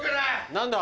・何だ！